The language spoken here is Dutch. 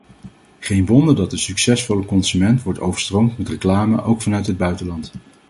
Geen wonder dat de succesvolle consument wordt overstroomd met reclame, ook vanuit het buitenland.